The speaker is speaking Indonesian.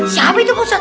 siapa itu pesat